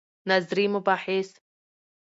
نظري مباحث